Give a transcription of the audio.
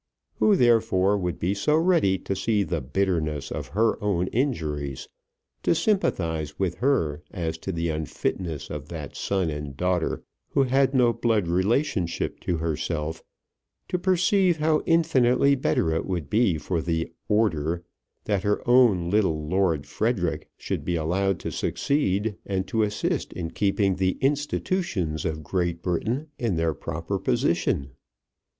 Who therefore would be so ready to see the bitterness of her own injuries, to sympathize with her as to the unfitness of that son and daughter who had no blood relationship to herself, to perceive how infinitely better it would be for the "order" that her own little Lord Frederic should be allowed to succeed and to assist in keeping the institutions of Great Britain in their proper position?